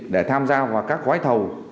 để tham gia vào các khói thầu